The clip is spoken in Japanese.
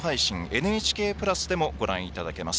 ＮＨＫプラスでもご覧いただけます。